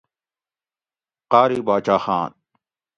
قاری باچا خان